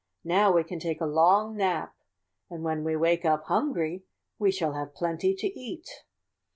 Now we can take a long nap and when we wake up hungry we shall have plenty to eat.